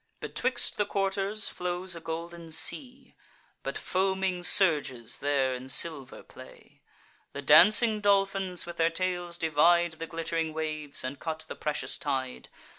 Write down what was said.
Betwixt the quarters flows a golden sea; But foaming surges there in silver play. The dancing dolphins with their tails divide The glitt'ring waves, and cut the precious tide.